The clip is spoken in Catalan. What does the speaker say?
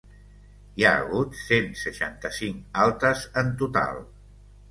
Hi ha hagut cent seixanta-cinc altes en total.